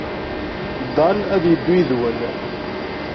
Dan ad yeddu yid-wen.